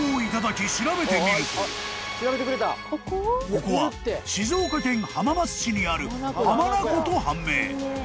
［ここは静岡県浜松市にある浜名湖と判明］